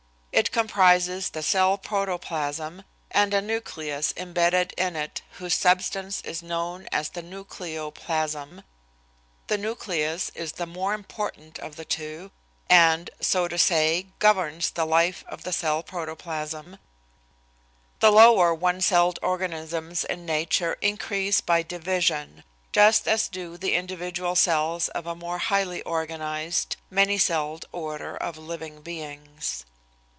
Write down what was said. It comprises the cell protoplasm and a nucleus imbedded in it whose substance is known as the nucleoplasm. The nucleus is the more important of the two and, so to say, governs the life of the cell protoplasm. The lower one celled organisms in nature increase by division, just as do the individual cells of a more highly organized, many celled order of living beings.